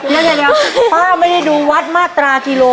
แม่นี่พ่อไม่ได้ดูวัดมาตรากิโล